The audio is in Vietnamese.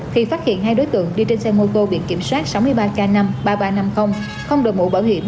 khi phát hiện hai đối tượng đi trên xe môi cô bị kiểm soát sáu mươi ba k năm ba nghìn ba trăm năm mươi không đồng hữu bảo hiểm